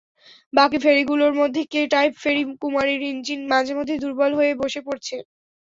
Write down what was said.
বাকি ফেরিগুলোর মধ্যে কে-টাইপ ফেরি কুমারীর ইঞ্জিন মাঝেমধ্যেই দুর্বল হয়ে বসে পড়ছে।